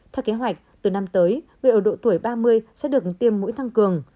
theo kế hoạch từ năm tới người ở độ tuổi ba mươi sẽ được tiêm mũi tăng cường